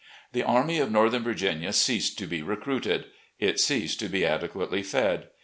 The Army of Northern Virginia ceased to be recruited, it ceased to be adequately fed.